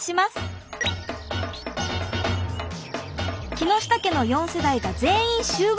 木下家の４世代が全員集合！